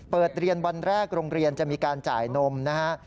เรียนวันแรกโรงเรียนจะมีการจ่ายนมนะฮะ